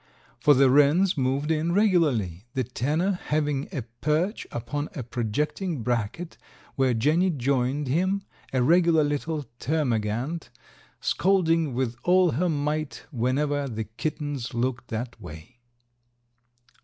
for the wrens moved in regularly, the tenor having a perch upon a projecting bracket where Jenny joined him, a regular little termagant, scolding with all her might whenever the kittens looked that way.